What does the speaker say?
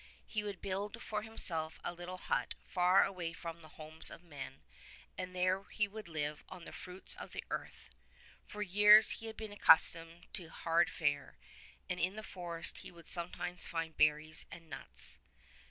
He would build for himself a little hut far away from the homes of men, and there would he live on the fruits of the earth. For years he had been accustomed to hard fare, and in the forest he would sometimes find berries and nuts.